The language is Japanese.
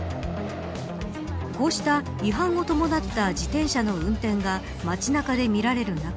こうした違反を伴った自転車の運転が街中で見られる中